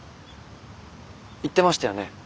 言ってましたよね